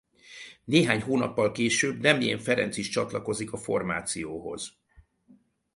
Néhány hónappal később Demjén Ferenc is csatlakozik a formációhoz.